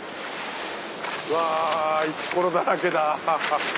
わぁ石ころだらけだ！